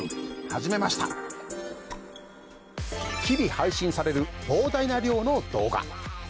日々配信される膨大な量の動画。